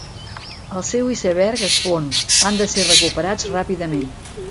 El seu iceberg es fon, han de ser recuperats ràpidament.